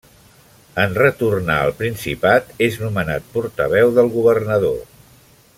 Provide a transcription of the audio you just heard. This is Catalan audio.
En retornar al Principat és nomenat portaveu del governador.